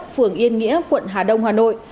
phường yên nghĩa quận hà đông hà nội